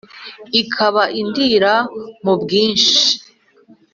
bikaba indira mu bwinshi